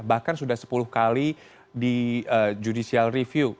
bahkan sudah sepuluh kali di judicial review